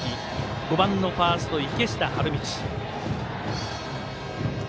５番のファースト池下春道。